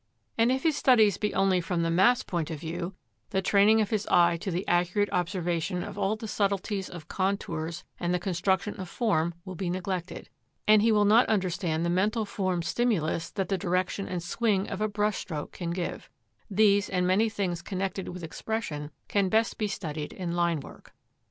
And if his studies be only from the mass point of view, the training of his eye to the accurate observation of all the subtleties of contours and the construction of form will be neglected. And he will not understand the mental form stimulus that the direction and swing of a brush stroke can give. These and many things connected with expression can best be studied in line work.